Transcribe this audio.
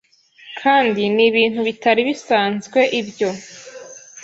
kandi nibintu bitari bisanzwe ibyo.